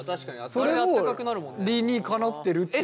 それも理にかなってるってこと。